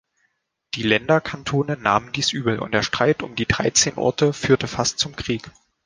Die Länderkantone nahmen dies übel, und der Streit um die Dreizehn Orte führte fast zum Krieg.